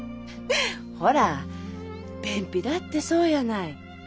ほら便秘だってそうやない。